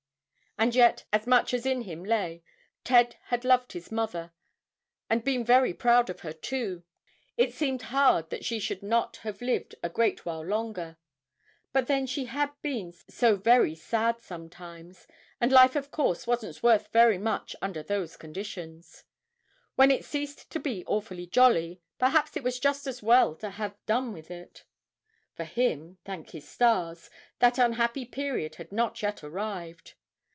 And yet, as much as in him lay, Ted had loved his mother, and been very proud of her too. It seemed hard that she should not have lived a great while longer. But then she had been so very sad sometimes, and life of course wasn't worth very much under those conditions. When it ceased to be awfully jolly, perhaps it was just as well to have done with it. For him, thank his stars! that unhappy period had not yet arrived.